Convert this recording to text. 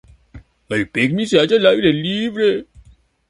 El picnic se hace al aire libre.